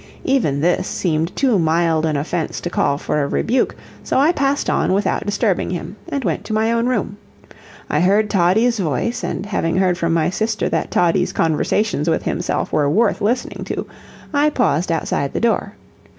Even this seemed too mild an offense to call for a rebuke, so I passed on without disturbing him, and went to my own room. I heard Toddie's voice, and having heard from my sister that Toddie's conversations with himself were worth listening to, I paused outside the door.